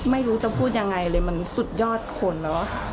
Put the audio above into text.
ไม่รู้จะพูดยังไงเลยมันสุดยอดคนเนอะ